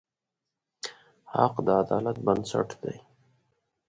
حق د عدالت بنسټ دی.